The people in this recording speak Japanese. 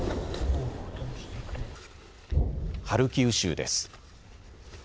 ハルキウ州です。